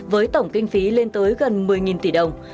với tổng kinh phí lên tới gần một mươi tỷ đồng